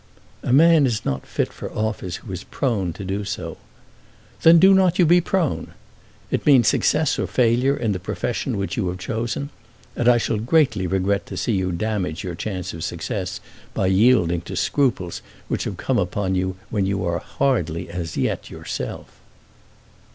"A man is not fit for office who is prone to do so." "Then do not you be prone. It means success or failure in the profession which you have chosen, and I shall greatly regret to see you damage your chance of success by yielding to scruples which have come upon you when you are hardly as yet yourself."